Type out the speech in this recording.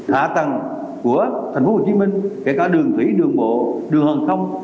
hạ tầng của tp hcm kể cả đường thủy đường bộ đường hàng không